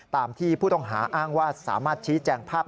ตามที่ผู้ต้องหาอ้างว่าสามารถชี้แจงภาพ